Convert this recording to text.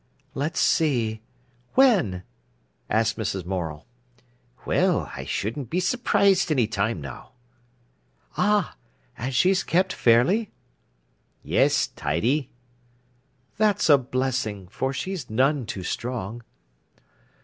"Let's see—when?" asked Mrs. Morel. "Well, I shouldn't be surprised any time now." "Ah! And she's kept fairly?" "Yes, tidy." "That's a blessing, for she's none too strong."